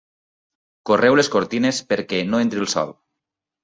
Correu les cortines perquè no entri el sol.